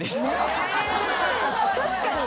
確かに。